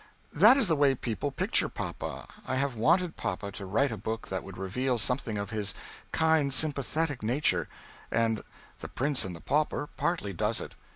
That is the way people picture papa, I have wanted papa to write a book that would reveal something of his kind sympathetic nature, and "The Prince and the Pauper" partly does it.